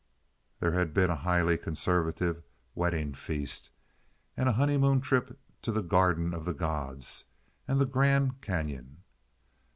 There had been a highly conservative wedding feast, and a honeymoon trip to the Garden of the Gods and the Grand Canon.